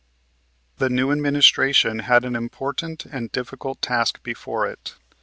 The new administration had an important and difficult task before it.